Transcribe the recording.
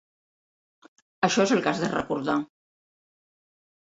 Això és el que has de recordar.